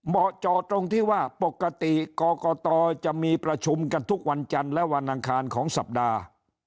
เจาะตรงที่ว่าปกติกรกตจะมีประชุมกันทุกวันจันทร์และวันอังคารของสัปดาห์